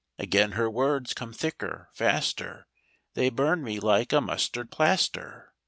Again her words come thicker, faster, They burn me like a mustard plaster.